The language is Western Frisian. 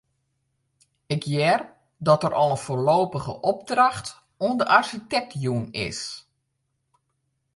Ik hear dat der al in foarlopige opdracht oan de arsjitekt jûn is.